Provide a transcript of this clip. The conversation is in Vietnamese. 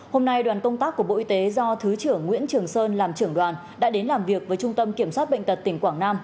hôm nay đoàn công tác của bộ y tế do thứ trưởng nguyễn trường sơn làm trưởng đoàn đã đến làm việc với trung tâm kiểm soát bệnh tật tỉnh quảng nam